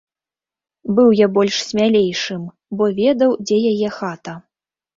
Быў я больш смялейшым, бо ведаў, дзе яе хата.